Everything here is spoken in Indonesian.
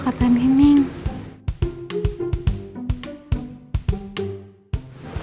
hari ini tapi memang sumpah di hati